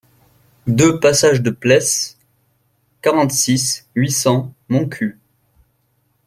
deux passage de Pleysse, quarante-six, huit cents, Montcuq